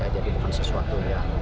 jadi bukan sesuatu